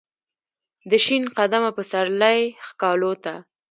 دشین قدمه پسرلی ښکالو ته ،